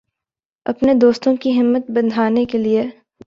اپنے دوستوں کی ہمت بندھانے کے لئے